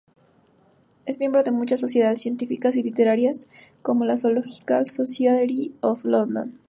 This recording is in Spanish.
Es miembro de muchas sociedades científicas y literarias, como la Zoological Society of London.